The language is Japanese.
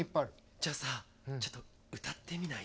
じゃあさちょっと歌ってみない？